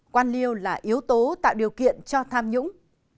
quan liêu là yếu tố tạo điều kiện cho tham nhũng